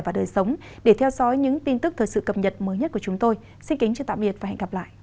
hãy đăng ký kênh để ủng hộ kênh của chúng tôi nhé